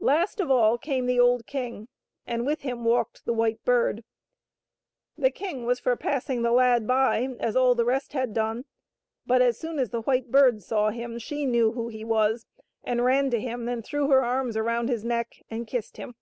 Last of all came the old king, and with him walked the White Bird. The king was for passing the lad by as all the rest had done. But as soon as the White Bird saw him» she knew who he was and ran to him and threw her arms around his neck and kissed him.